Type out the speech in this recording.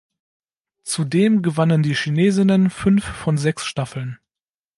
Zudem gewannen die Chinesinnen fünf von sechs Staffeln.